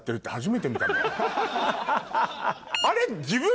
あれ。